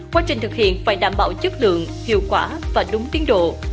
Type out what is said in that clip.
quá trình thực hiện phải đảm bảo chất lượng hiệu quả và đúng tiến độ